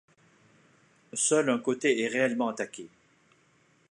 Seul un côté est réellement attaqué.